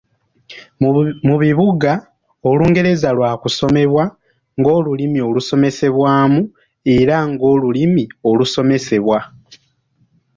Mu bibuga Olungereza lwa kusomesebwa ng'olulimi olusomesebwamu era ng'olulimi olusomebwa.